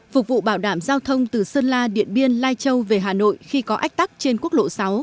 phục vụ bảo đảm giao thông từ sơn la điện biên lai châu về hà nội khi có ách tắc trên quốc lộ sáu